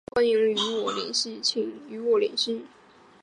都欢迎与我联系请与我联系